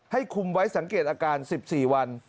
คุมไว้สังเกตอาการ๑๔วัน